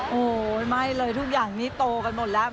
โอ้โหไม่เลยทุกอย่างนี้โตกันหมดแล้ว